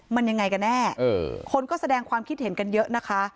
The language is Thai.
มันยังไงกันแน่คนก็แสดงความคิดเห็นกันเยอะนะคะ